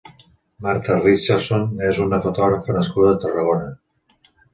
Marta Richardson és una fotògrafa nascuda a Tarragona.